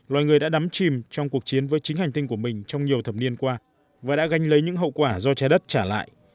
loài người đã đắm chìm trong cuộc chiến với chính hành tinh của mình trong nhiều thập niên qua và đã ganh lấy những hậu quả do trái đất trả lại